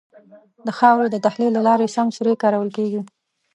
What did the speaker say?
د خاورې د تحلیل له لارې سمه سري کارول کېږي.